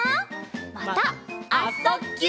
また「あ・そ・ぎゅ」